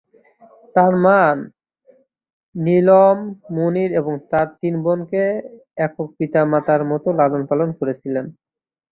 তার মা নীলম মুনির এবং তার তিন বোনকে একক পিতা-মাতার মতো লালন-পালন করেছিলেন।